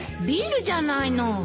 ビールじゃないの